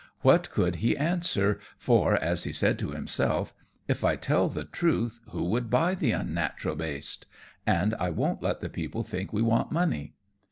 What could he answer, for, as he said to himself, "If I tell the truth who would buy the unnatural baste? And I won't let the people think we want money."